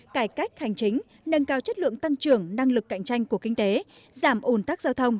cải cách hành chính nâng cao chất lượng tăng trưởng năng lực cạnh tranh của kinh tế giảm ồn tắc giao thông